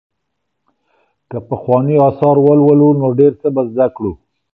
که پخواني آثار ولولو نو ډېر څه به زده کړو.